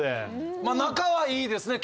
仲はいいですね。